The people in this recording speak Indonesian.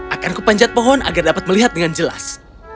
akanku panjat pohon agar dapat melihat dengan jelas